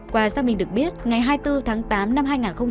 qua xác minh được biết ngày hai mươi bốn tháng tám năm hai nghìn một mươi năm